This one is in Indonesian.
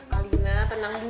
kalina tenang dulu